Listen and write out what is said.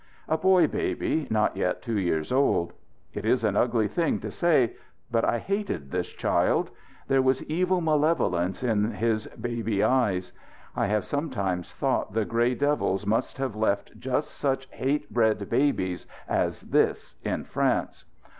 A boy baby, not yet two years old. It is an ugly thing to say, but I hated this child. There was evil malevolence in his baby eyes. I have sometimes thought the grey devils must have left just such hate bred babes as this in France.